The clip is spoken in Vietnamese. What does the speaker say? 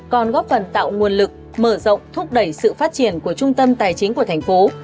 còn góp phần tạo nguồn lực mở rộng thúc đẩy sự phát triển của trung tâm tài chính của thành phố